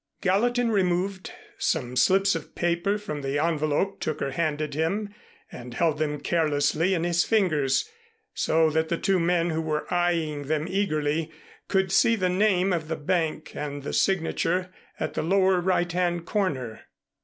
Gallatin removed some slips of paper from the envelope Tooker handed him, and held them carelessly in his fingers, so that the two men, who were eying them eagerly, could see the name of the bank and the signature at the lower right hand corner.